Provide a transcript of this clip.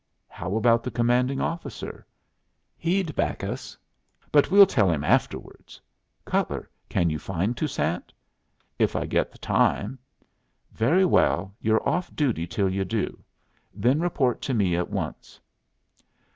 "How about the commanding officer?" "He'd back us but we'll tell him afterwards. Cutler, can you find Toussaint?" "If I get the time." "Very well, you're off duty till you do. Then report to me at once."